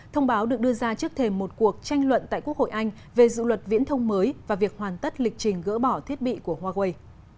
thông báo được đưa ra trước thềm một cuộc tranh luận tại quốc hội anh về dự luật viễn thông mới và việc hoàn tất lịch trình gỡ bỏ thiết bị của huawei